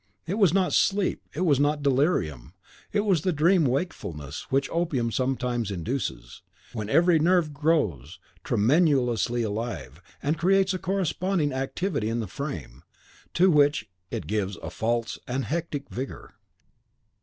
It was not sleep, it was not delirium; it was the dream wakefulness which opium sometimes induces, when every nerve grows tremulously alive, and creates a corresponding activity in the frame, to which it gives a false and hectic vigour.